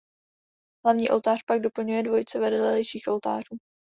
Hlavní oltář pak doplňuje dvojice vedlejších oltářů.